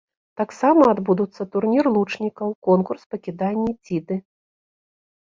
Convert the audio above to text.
Таксама адбудуцца турнір лучнікаў, конкурс па кіданні дзіды.